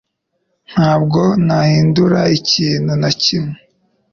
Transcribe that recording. ntabwo nahindura ikintu na kimwe